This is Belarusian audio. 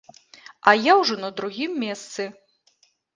А я ўжо на другім месцы.